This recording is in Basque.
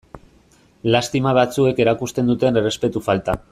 Lastima batzuek erakusten duten errespetu falta.